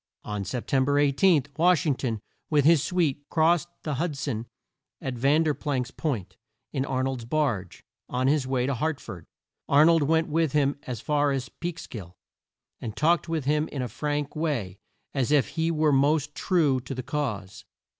On Sep tem ber 18, Wash ing ton with his suite crossed the Hud son at Ver planck's Point, in Ar nold's barge, on his way to Hart ford. Ar nold went with him as far as Peeks kill, and talked with him in a frank way, and as if he were most true to the cause.